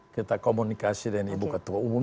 kita komunikasi dengan ibu ketua umum